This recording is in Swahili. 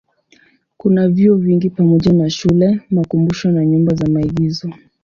Kuna vyuo vingi pamoja na shule, makumbusho na nyumba za maigizo.